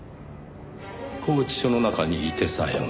拘置所の中にいてさえも。